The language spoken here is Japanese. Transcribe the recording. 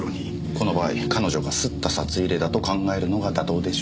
この場合彼女が掏った札入れだと考えるのが妥当でしょうね。